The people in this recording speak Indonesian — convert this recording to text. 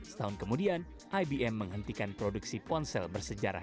setahun kemudian ibm menghentikan produksi ponsel bersejarah